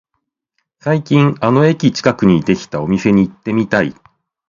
最近あの駅近くにできたお店に行ってみたい